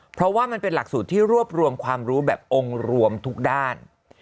เพราะว่ามันเป็นหลักสูตรที่รวบรวมความรู้แบบองค์รวมทุกด้าน